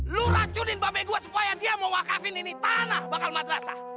lu racunin bapak gue supaya dia mewakafin ini tanah bakal madrasah